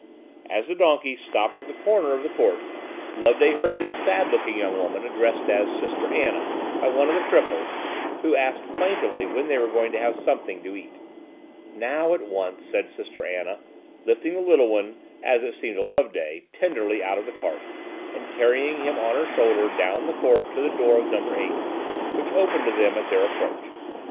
As the donkey stopped at the corner of the court, Loveday heard this sad looking young woman addressed as "Sister Anna" by one of the cripples, who asked plaintively when they were going to have something to eat. SISTER ANNA. "Now, at once," said Sister Anna, lifting the little one, as it seemed to Loveday, tenderly out of the cart, and carrying him on her shoulder down the court to the door of number 8, which opened to them at their approach.